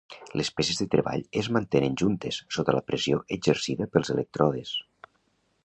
Les peces de treball es mantenen juntes sota la pressió exercida pels elèctrodes.